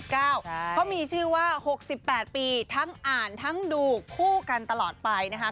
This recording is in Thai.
เขามีชื่อว่า๖๘ปีทั้งอ่านทั้งดูคู่กันตลอดไปนะคะ